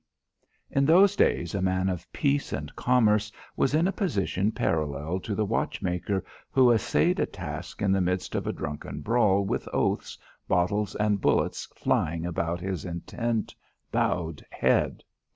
In those days a man of peace and commerce was in a position parallel to the watchmaker who essayed a task in the midst of a drunken brawl with oaths, bottles and bullets flying about his intent bowed head.